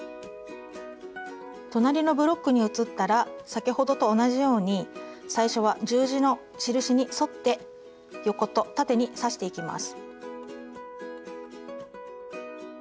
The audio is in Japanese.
隣のブロックに移ったら先ほどと同じように最初は十字の印に沿って横と縦に刺していきます。